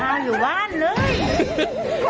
ตรงเท้าอยู่บ้านเลย